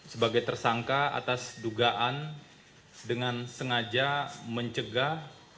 sebagai tersangka atas dugaan dengan sengaja mencegah